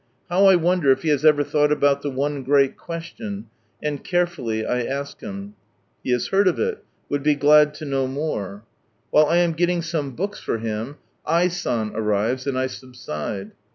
How I wonder if he has ever thought about the one great Question, and carefully 1 ask him. He has heard of it, would be glad to know more. While I am getting some books for him I. San arrives, and I subside.